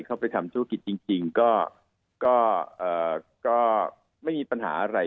เข้าไปทำธุรกิจจริงก็ไม่มีปัญหาอะไร